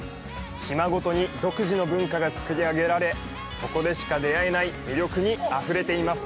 島ごとに独自の文化がつくり上げられそこでしか出会えない魅力にあふれています。